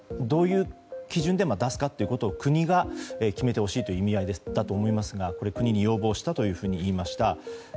どういう基準で出すかということを国が決めてほしいという意味合いだと思いますがこれ、国に要望したというふうに言いました。